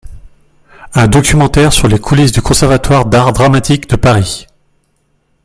Un documentaire sur les coulisses du Conservatoire d'Art Dramatique de Paris.